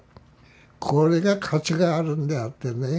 これが価値があるんであってね。